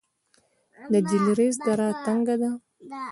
د جلریز دره تنګه ده